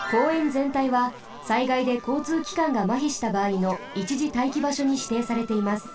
ぜんたいは災害でこうつうきかんがまひしたばあいの一時待機場所にしていされています。